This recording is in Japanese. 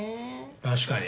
確かに。